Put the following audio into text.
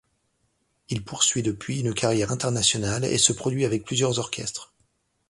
Il poursuit depuis une carrière internationale et se produit avec plusieurs orchestres.